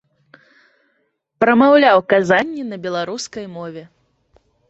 Прамаўляў казанні на беларускай мове.